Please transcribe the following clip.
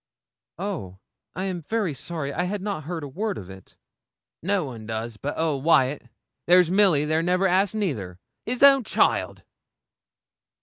'Oh! I'm very sorry. I had not heard a word of it.' 'No one does but old Wyat. There's Milly there never asks neither his own child!'